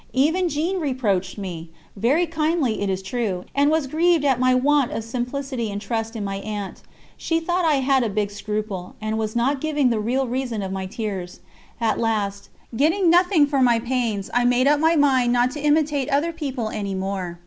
Even Jeanne reproached me, very kindly it is true, and was grieved at my want of simplicity and trust in my aunt. She thought I had a big scruple, and was not giving the real reason of my tears. At last, getting nothing for my pains, I made up my mind not to imitate other people any more.